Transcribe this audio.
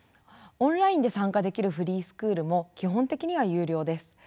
オンラインで参加できるフリースクールも基本的には有料です。